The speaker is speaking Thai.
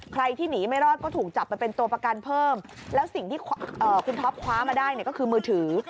ใครที่หนีไม่รอดก็ถูกจับไปเป็นตัวประกันเพิ่มแล้วสิ่งที่คุณท็อปคว้ามาได้เนี่ยก็คือมือถือ